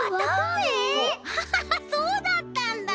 ハハハそうだったんだ！